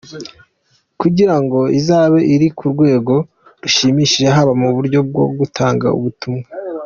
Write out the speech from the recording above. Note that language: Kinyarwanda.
kugira ngo izabe iri ku rwego rushimije haba mu buryo bwo gutanga ubutumwa.